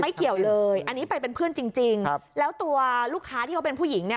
เกี่ยวเลยอันนี้ไปเป็นเพื่อนจริงจริงครับแล้วตัวลูกค้าที่เขาเป็นผู้หญิงเนี่ย